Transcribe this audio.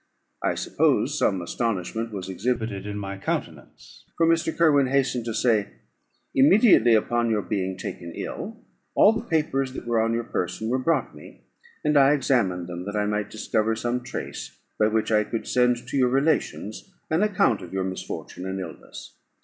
I suppose some astonishment was exhibited in my countenance; for Mr. Kirwin hastened to say "Immediately upon your being taken ill, all the papers that were on your person were brought me, and I examined them that I might discover some trace by which I could send to your relations an account of your misfortune and illness.